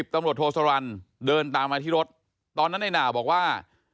ตำรวจโทสรรเดินตามมาที่รถตอนนั้นในหนาวบอกว่า